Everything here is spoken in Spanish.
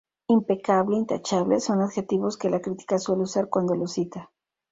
Impecable, intachable, son adjetivos que la crítica suele usar cuando los cita.